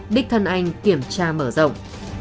địch thân anh kiểm tra mở rộng